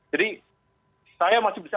jadi saya masih bisa